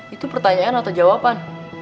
itu pertanyaan atau jawaban